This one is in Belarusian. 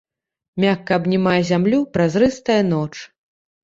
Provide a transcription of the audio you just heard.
Мякка абнімае зямлю празрыстая ноч.